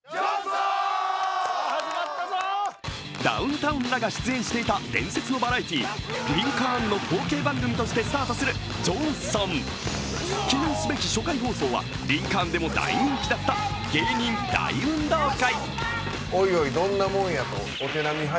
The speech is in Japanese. ダウンタウンらが出演していた伝説のバラエティー「リンカーン」の後継番組としてスタートする「ジョンソン」記念すべき初回放送は「リンカーン」でも大人気だった芸人大運動会。